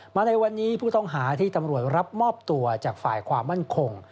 ในวันนี้ผู้ต้องหาที่ตำรวจรับมอบตัวจากฝ่ายความมั่นคง